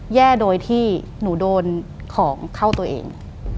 แย่โดยที่หนูโดนของเข้าตัวเอง